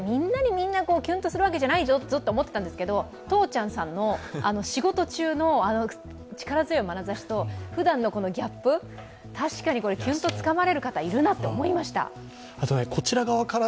て言われて、みんなにキャンとするわけじゃないぞと思っていたんですけどとーちゃんさんの仕事中の力強いまなざしとふだんのギャップ、確かにキュンとつかまれるなと思いました。